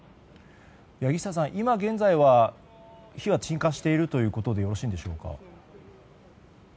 柳下さん、今現在は火は鎮火しているということでよろしいでしょうか。